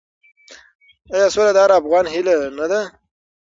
آیا سوله د هر افغان هیله نه ده؟